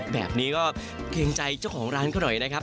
แบบนี้ก็เกรงใจเจ้าของร้านเขาหน่อยนะครับ